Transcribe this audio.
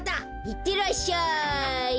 いってらっしゃい！